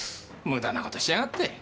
無駄な事しやがって。